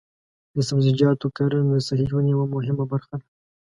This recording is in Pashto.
د سبزیجاتو کرنه د صحي ژوند یوه مهمه برخه ده.